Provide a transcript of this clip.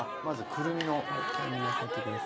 くるみが先です。